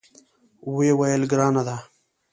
ویې ویل: ګرانه ده.